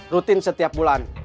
rutin setiap bulan